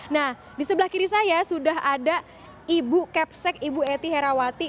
nah di sebelah kiri saya sudah ada ibu kepsek ibu eti herawati